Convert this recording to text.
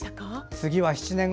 次は７年後。